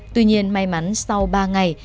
tuy nhiên may mắn sau ba ngày cháu bé đã được tìm thấy